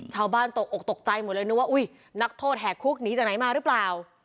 ตกอกตกใจหมดเลยนึกว่าอุ้ยนักโทษแหกคุกหนีจากไหนมาหรือเปล่า